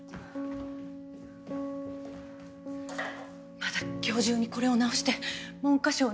まだ今日中にこれを直して文科省に出せれば。